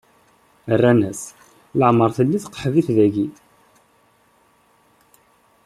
Rran-as: Leɛmeṛ telli tqeḥbit dagi.